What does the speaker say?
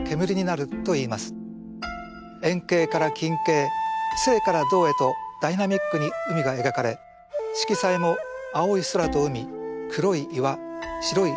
遠景から近景静から動へとダイナミックに海が描かれ色彩も青い空と海黒い岩白い波頭と一幅の絵のようです。